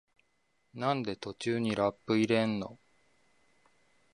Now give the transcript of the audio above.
なんで途中にラップ入れんの？